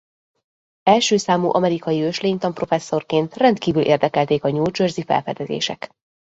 Első számú amerikai őslénytan-professzorként rendkívül érdekelték a New Jersey-i felfedezések.